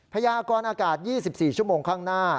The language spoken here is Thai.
พยากรอากาศ๒๔ชั่วโมงข้างหน้า